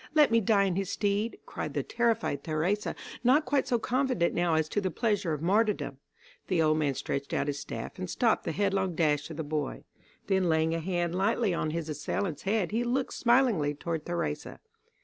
Let me die in his stead," cried the terrified Theresa, not quite so confident now as to the pleasure of martyrdom. The old man stretched out his staff and stopped the headlong dash of the boy. Then laying a hand lightly on his assailant's head he looked smilingly toward Theresa.